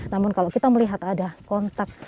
namun kalau kita melihat ada kontak